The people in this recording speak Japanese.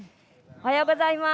おはようございます。